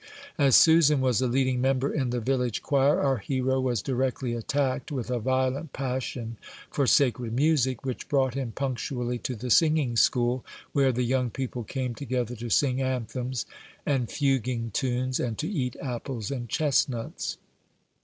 As Susan was a leading member in the village choir, our hero was directly attacked with a violent passion for sacred music, which brought him punctually to the singing school, where the young people came together to sing anthems and fuguing tunes, and to eat apples and chestnuts.